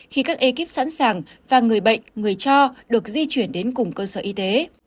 khi các ekip sẵn sàng và người bệnh người cho được di chuyển đến cùng cơ sở y tế